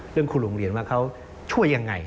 เรื่องครูโรงเรียนว่าเขาช่วยอย่างไร